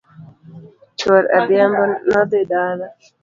Chuor adhiambo nodhi dala